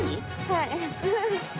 はい。